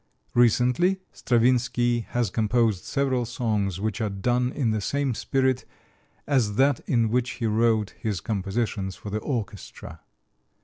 Recently Stravinsky has composed several songs which are done in the same spirit as that in which he wrote his compositions for the orchestra.